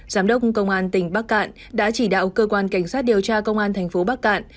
giám đốc công an tỉnh bắc cạn đã chỉ đạo cơ quan cảnh sát điều tra công an thành phố bắc cạn